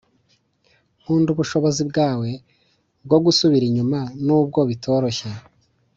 nkunda ubushobozi bwawe bwo gusubira inyuma nubwo bitoroshye